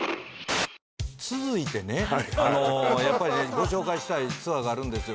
続いてねあのやっぱりご紹介したいツアーがあるんですよ